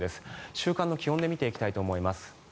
週間の気温で見ていきたいと思います。